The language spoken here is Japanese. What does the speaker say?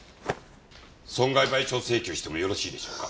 損害賠償請求してもよろしいでしょうか？